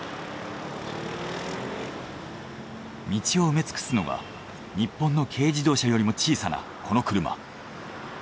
道を埋めつくすのは日本の軽自動車よりも小さなこの車。